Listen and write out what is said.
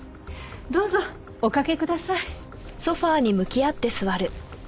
どうぞお掛けください。